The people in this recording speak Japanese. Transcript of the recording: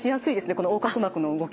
この横隔膜の動き。